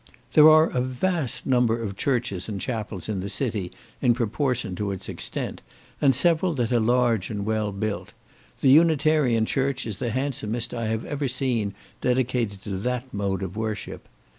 There are a vast number of churches and chapels in the city, in proportion to its extent, and several that are large and well built; the Unitarian church is the handsomest I have ever seen dedicated to that mode of worship.